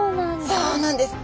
そうなんです！